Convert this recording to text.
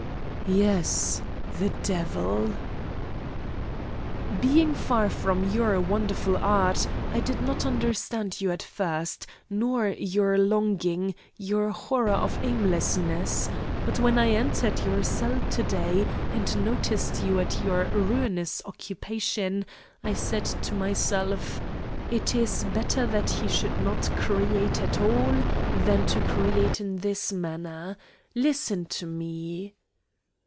"Yes. The devil!" "Being far from your wonderful art, I did not understand you at first, nor your longing, your horror of aimlessness. But when I entered your cell to day and noticed you at your ruinous occupation, I said to myself: It is better that he should not create at all than to create in this manner. Listen to me."